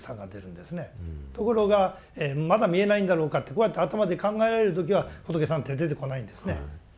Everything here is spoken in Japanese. ところがまだ見えないんだろうかってこうやって頭で考えられる時は仏さんって出てこないんですね。